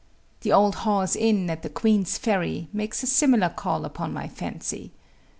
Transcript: The old Hawes Inn at the Queen's ferry makes a similar call upon my fancy.